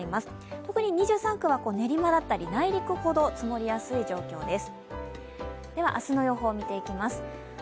特に２３区は練馬だったり内陸ほど積もりやすい状況です。